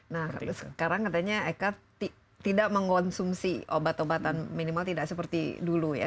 nah sekarang katanya eka tidak mengonsumsi obat obatan minimal tidak seperti dulu ya